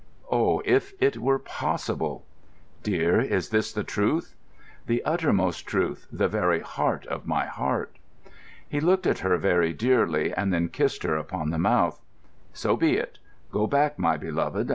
Oh, if it were possible!" "Dear, is this the truth?" "The uttermost truth, the very heart of my heart." He looked at her, very dearly, and then kissed her upon the mouth. "So be it. Go back, my beloved.